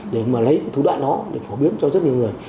để mà lấy cái thủ đoạn đó để phổ biến cho rất nhiều người